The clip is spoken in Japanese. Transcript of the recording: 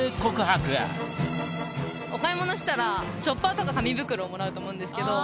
お買い物したらショッパーとか紙袋をもらうと思うんですけど。